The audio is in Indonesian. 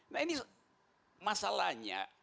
nah ini masalahnya